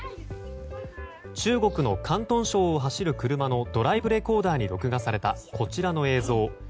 中国の広東省を走る車のドライブレコーダーに録画されたこちらの映像。